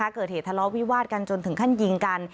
เกิดเหตุทะเลาะวิวาดกันจนถึงขั้นยิงกัน